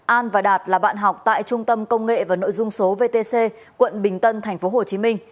an và đạt là bạn học tại trung tâm công nghệ và nội dung số vtc quận bình tân tp hcm